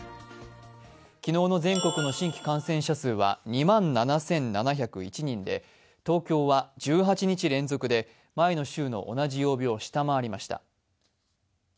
昨日の全国の新規感染者数は２万７７０１人で東京は１８日連続で前の週の同じ曜日を下回りました。